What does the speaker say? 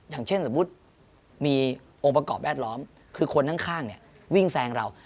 อย่างเช่นสมมุติมีองค์ประกอบแวดล้อมคือคนข้างเนี่ยวิ่งแซงเรา